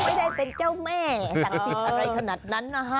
ไม่ได้เป็นเจ้าแม่ศักดิ์สิทธิ์อะไรขนาดนั้นนะฮะ